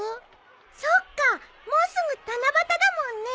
そっかもうすぐ七夕だもんね。